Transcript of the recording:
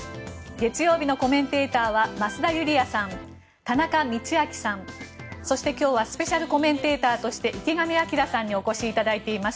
月曜日のコメンテーターは増田ユリヤさん、田中道昭さんそして今日はスペシャルコメンテーターとして池上彰さんにお越しいただいています。